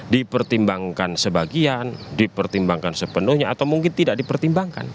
dipertimbangkan sebagian dipertimbangkan sepenuhnya atau mungkin tidak dipertimbangkan